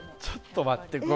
ちょっと待って。